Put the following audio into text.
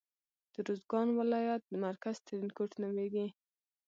د روزګان ولایت مرکز ترینکوټ نومیږي.